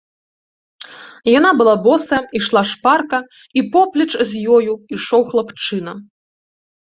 Яна была босая, ішла шпарка, і поплеч з ёю ішоў хлапчына.